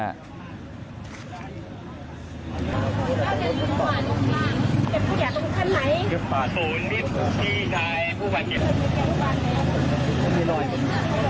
เป็นผู้แดกของท่านไหมภูมินที่ใช้ผู้แดก